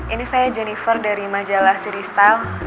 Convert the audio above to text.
ini saya jennifer dari majalah siri style